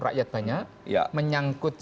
rakyat banyak menyangkut